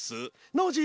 ノージー